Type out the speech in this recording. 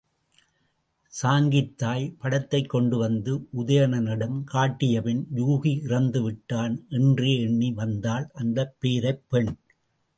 சாங்கியத் தாய், படத்தைக் கொண்டுவந்து உதயணனிடம் காட்டியபின் யூகி இறந்துவிட்டான் என்றே எண்ணி வந்தாள் அந்தப் பேதைப் பெண்.